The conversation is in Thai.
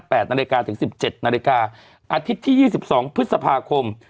นาฬิกาถึงสิบเจ็ดนาฬิกาอาทิตย์ที่ยี่สิบสองพฤษภาคม